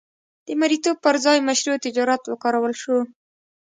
د مریتوب پر ځای مشروع تجارت وکارول شو.